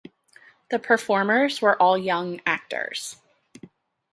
The performers were all young actors.